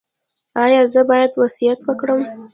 ایا زه باید وصیت وکړم؟